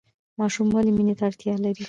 ماشوم ولې مینې ته اړتیا لري؟